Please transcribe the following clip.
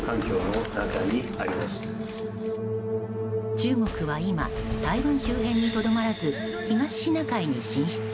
中国は今、台湾周辺にとどまらず、東シナ海に進出。